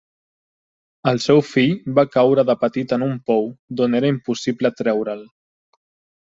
El seu fill va caure de petit en un pou, d'on era impossible treure'l.